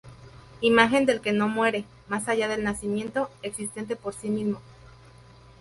Imagen del que no muere, más allá del nacimiento, existente por sí mismo.